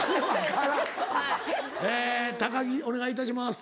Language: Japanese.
え高城お願いいたします。